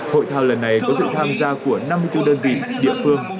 hội thao lần này có sự tham gia của năm mươi bốn đơn vị địa phương